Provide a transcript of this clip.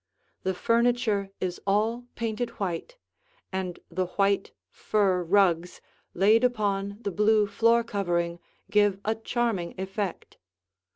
The furniture is all painted white, and the white fur rugs laid upon the blue floor covering give a charming effect.